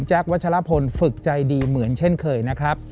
วัชลพลฝึกใจดีเหมือนเช่นเคยนะครับ